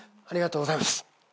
ありがとうございます。